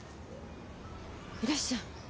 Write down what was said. いらっしゃい。